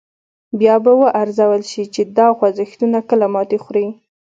بیا به و ارزول شي چې دا خوځښتونه کله ماتې خوري.